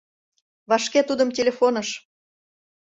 Вашке тудым телефоныш!